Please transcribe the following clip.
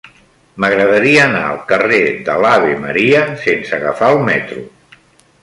M'agradaria anar al carrer de l'Ave Maria sense agafar el metro.